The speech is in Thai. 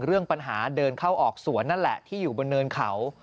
เรื่องปัญหาเดินเข้าออกสวนนั่นแหละที่อยู่บนเนินเขา